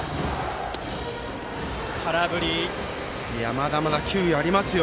まだまだ球威ありますよ